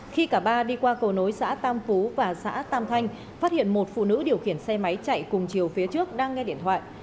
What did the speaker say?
khi cả ba đi qua cầu nối xã tam phú và xã tam thanh phát hiện một phụ nữ điều khiển xe máy chạy cùng chiều phía trước đang nghe điện thoại